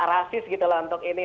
rasis gitu loh untuk ini